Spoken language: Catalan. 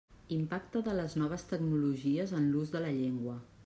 Impacte de les noves tecnologies en l'ús de la llengua.